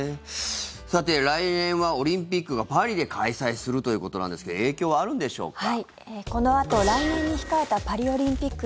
さて、来年はオリンピックがパリで開催するということなんですけど影響はあるんでしょうか。